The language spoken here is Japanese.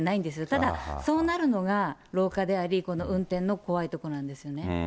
ただ、そうなるのが老化であり、この運転の怖いところなんですよね。